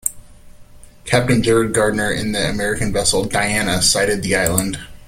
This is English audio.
Captain Jared Gardner in the American vessel "Diana" sighted the island.